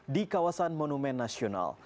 di kawasan monumen nasional